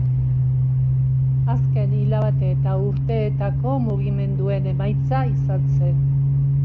Azken hilabete eta urteetako mugimenduen emaitza izan zen.